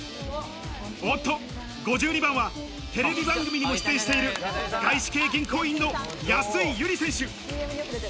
おっと、５２番はテレビ番組にも出演している外資系銀行員の安井友梨選手。